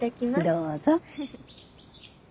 どうぞ。